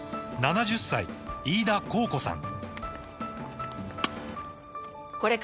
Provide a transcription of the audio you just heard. ７０歳飯田考子さん